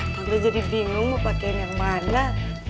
kamu jadi bingung mau pakein yang mana